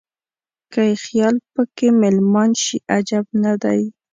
که یې خیال په کې مېلمان شي عجب نه دی.